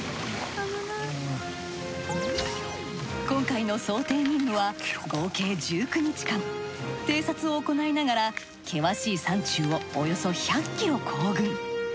今回の想定任務は合計１９日間偵察を行いながら険しい山中をおよそ１００ｋｍ行軍。